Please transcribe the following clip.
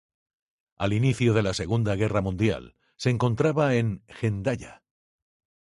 Al inicio de la Segunda Guerra Mundial se encontraba en Hendaya.